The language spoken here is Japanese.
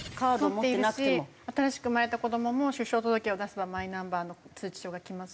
持っているし新しく生まれた子どもも出生届を出せばマイナンバーの通知書が来ますし。